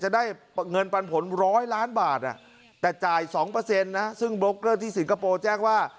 จะได้เงินปันผลร้อยล้านบาทแต่จ่ายสองเปอร์เซ็นต์ซึ่งที่สิงคโปร์แจ้งว่า